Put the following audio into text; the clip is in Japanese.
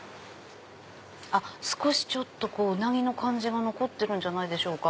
少しちょっとウナギの感じが残ってるんじゃないでしょうか。